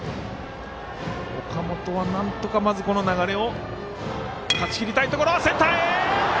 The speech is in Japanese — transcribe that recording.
岡本はなんとかまずこの流れを断ち切りたいところ。